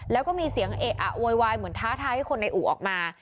แล้วก็มีเสียงเอะอะโวยวายเหมือนท้าทายให้คนในอู่ออกมา